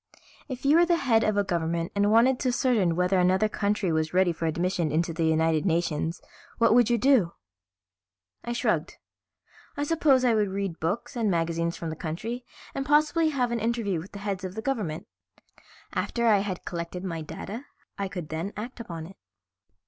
If you were the head of a government and wanted to ascertain whether another country was ready for admission into the United Nations, what would you do?" I shrugged. "I suppose I would read books and magazines from the country and possibly have an interview with the heads of the government. After I had collected my data I could then act upon it."